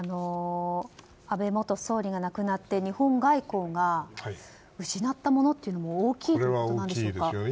安倍元総理が亡くなって日本外交が失ったものは大きいということなんでしょうか。